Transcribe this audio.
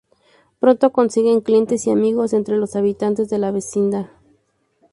Pronto consiguen clientes y amigos entre los habitantes de la vecindad.